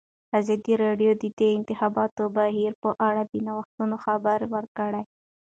ازادي راډیو د د انتخاباتو بهیر په اړه د نوښتونو خبر ورکړی.